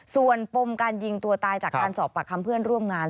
ส่วนปมการยิงตัวตายจากการสอบปากคำเพื่อนร่วมงาน